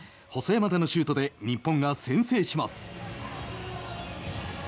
細山田のシュートで日本が先制します。